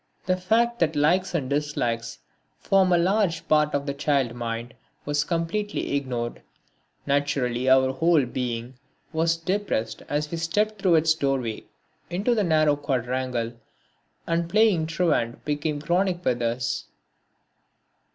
The fact that likes and dislikes form a large part of the child mind was completely ignored. Naturally our whole being was depressed as we stepped through its doorway into the narrow quadrangle and playing truant became chronic with us.